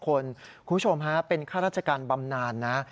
คุณผู้ชมฮะเป็นข้าราชการบำนานนะ